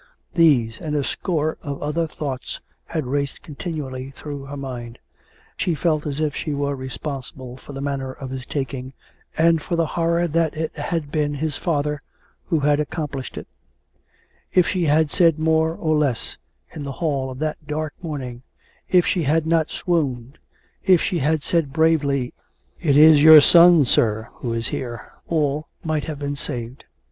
These, and a score of other thoughts, had raced con tinually through her mind ; she felt even as if she were responsible for the manner of his taking, and for the horror that it had been his father who had accomplished it; if she had said more, or less, in the hall on that dark morning ; if she had not swooned; if she had said bravely: "It is your son, sir, who is here," all might have been saved.